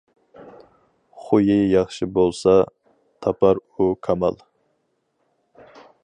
خۇيى ياخشى بولسا، تاپار ئۇ كامال.